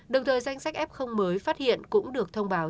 đồng thời danh sách f mới phát hiện cũng được thông báo